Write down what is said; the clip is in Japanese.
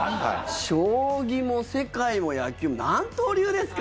将棋も、世界も、野球も何刀流ですか？